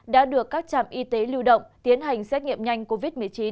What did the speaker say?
đã được các trạm y tế lưu động tiến hành xét nghiệm nhanh covid một mươi chín